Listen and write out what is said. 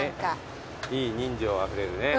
いい人情あふれるね。